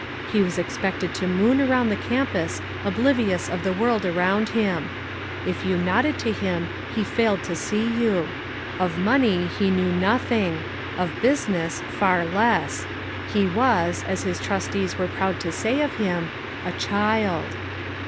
He was expected to moon around the campus oblivious of the world around him. If you nodded to him he failed to see you. Of money he knew nothing; of business, far less. He was, as his trustees were proud to say of him, "a child."